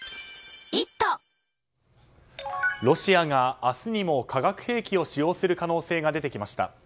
ロシアが明日にも化学兵器を使用する可能性が出てきました。